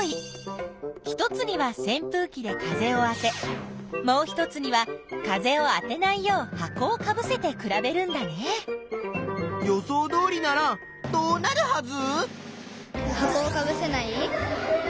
１つには扇風機で風をあてもう１つには風をあてないよう箱をかぶせて比べるんだね。予想どおりならどうなるはず？